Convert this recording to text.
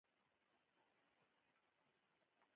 _راځه! ځينې خبرې بايد درته مالومې شي.